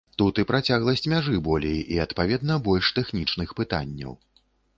Тут і працягласць мяжы болей, і, адпаведна, больш тэхнічных пытанняў.